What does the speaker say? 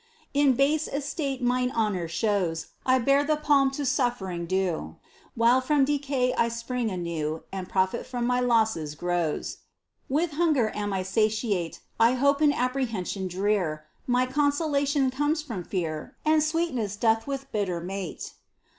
In base estate mine honour shows : I bear the palm to suffering due. While from decay I spring anew And profit from my losses grows POEMS. 29 With hunger am I satiate, I hope in apprehension drear ; My consolation comes from fear And sweetness doth with bitter mate